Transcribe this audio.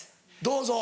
どうぞ。